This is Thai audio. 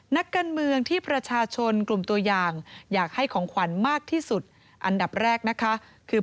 นักการเมืองที่ประชาชนกลุ่มตัวอย่างอยากให้ของขวัญมากที่สุดอันดับแรกนะคะคือ